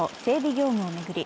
業務を巡り